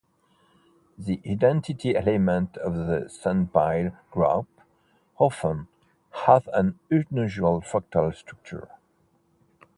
The identity element of the sandpile group often has an unusual fractal structure.